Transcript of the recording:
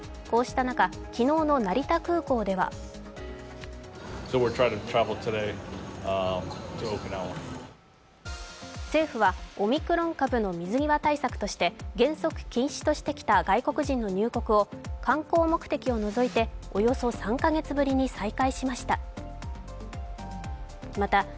こうした中、昨日の成田空港では政府はオミクロン株の水際対策として原則禁止としてきた外国人の入国を観光目的を除いておよそ３カ月ぶりに再開しました。